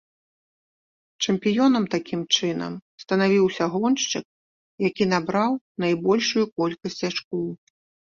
Чэмпіёнам, такім чынам, станавіўся гоншчык, які набраў найбольшую колькасць ачкоў.